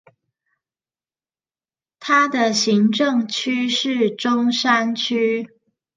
他的行政區是中山區